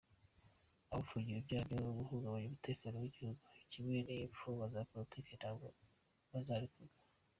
Abafungiwe ibyaha byo guhungabanya umutekano w’igihugu, kimwe n’imfungwa za politiki ntabwo bazarekurwa.